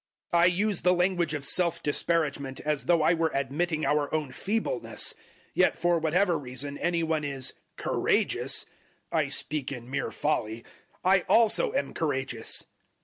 011:021 I use the language of self disparagement, as though I were admitting our own feebleness. Yet for whatever reason any one is `courageous' I speak in mere folly I also am courageous.